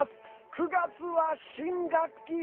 ９月は、新学期。